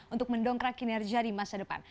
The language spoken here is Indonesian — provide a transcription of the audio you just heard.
untuk mendongkrak kinerja di masa depan